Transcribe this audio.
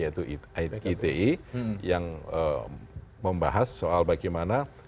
yaitu iti yang membahas soal bagaimana